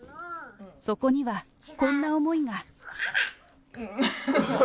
そこにはこんな思いが。